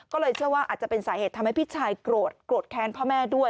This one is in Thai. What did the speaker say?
ก็เลยเชื่อว่าอาจจะเป็นสาเหตุทำให้พี่ชายโกรธโกรธแค้นพ่อแม่ด้วย